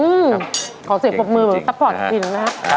อืมขอเสียบพบมือซับพอร์ตกินนะครับ